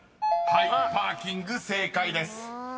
［はい「パーキング」正解です］